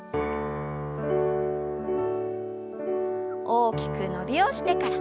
大きく伸びをしてから。